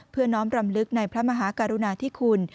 เพื่อน้อมรำลึกในพระมหากรุณาที่คุณ